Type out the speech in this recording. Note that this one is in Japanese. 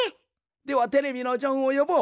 ではテレビのジョンをよぼう！